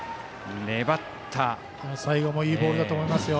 最後もいいボールだと思いますよ。